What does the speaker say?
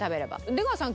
出川さん